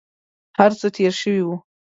هر څه تېر شوي وي.